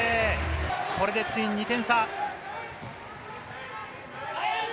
これでついに２点差。